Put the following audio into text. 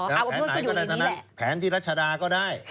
อ๋ออาบอบนวดก็อยู่ในนี้แหละแผนที่รัชดาก็ได้